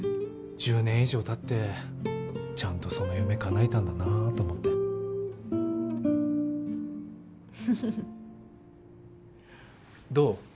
１０年以上たってちゃんとその夢かなえたんだなと思ってフフフどう？